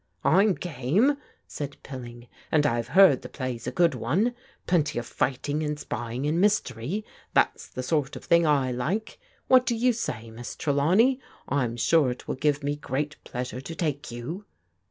" I'm game," said Pilling, " and I've heard the play's a good one. Plenty of fighting and spying, and mystery; that's the sort of thing I like. What do you say, Miss Trelawney? I'm sure it will give me great pleasure to take you."